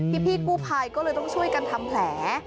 พี่กู้ภัยก็เลยต้องช่วยกันทำแผล